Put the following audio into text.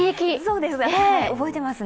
覚えてますね。